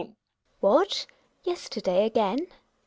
Gina. What ! Yesterday again